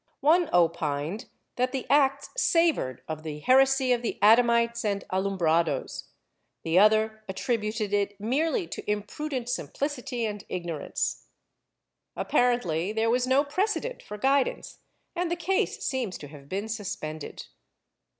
One opined that the acts savored of the heresy of the Adamites and Alumbrados; the other attributed it merely to imprudent simplicity and ignorance. Apparently there was no precedent for guidance and the case seems to have been suspended.